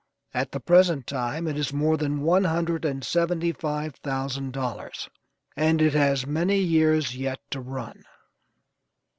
At the present time it is more than one hundred and seventy five thousand dollars, and it has many years yet to run.